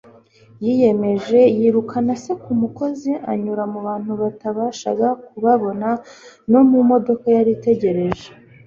Yiyemeje, yirukana se kumusozi, anyura mubantu batabashaga kubabona, no mumodoka yari itegereje.